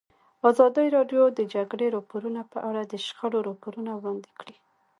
ازادي راډیو د د جګړې راپورونه په اړه د شخړو راپورونه وړاندې کړي.